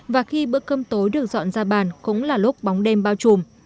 và khi bữa cơm tối được dọn ra bàn cũng là lúc bóng đêm bao trùm